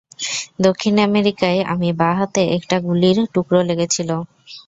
দক্ষিণ আমেরিকায় আমি বাঁ হাতে একটা গুলির টুকরো লেগেছিল।